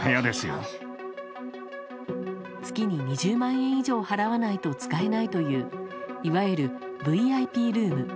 月に２０万円以上払わないと使えないといういわゆるＶＩＰルーム。